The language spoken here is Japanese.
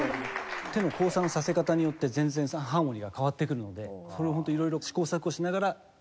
手の交差のさせ方によって全然ハーモニーが変わってくるのでそれをホントいろいろ試行錯誤しながら考えてます。